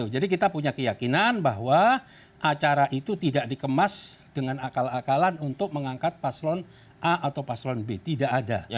jadi kita punya keyakinan bahwa acara itu tidak dikemas dengan akal akalan untuk mengangkat paslawan a atau paslawan b tidak ada